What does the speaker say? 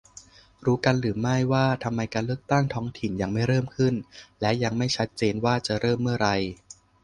รู้กันหรือไม่ว่า ทำไมการเลือกตั้งท้องถิ่นยังไม่เริ่มขึ้น และยังไม่ชัดเจนว่า จะเริ่มเมื่อไร